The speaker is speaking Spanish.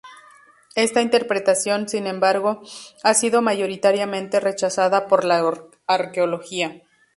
Esta interpretación, sin embargo, ha sido mayoritariamente rechazada por la arqueología.